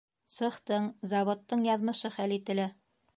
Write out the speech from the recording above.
Цехтың, заводтың яҙмышы хәл ителә.